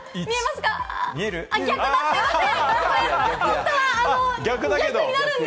すみません！